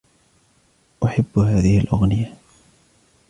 أُحِبّ هذه الأغنية.